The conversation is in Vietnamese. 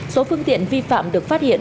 số phương tiện vi phạm được phát hiện